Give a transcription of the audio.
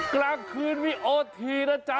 กลางคืนวีโอทีนะจ๊ะ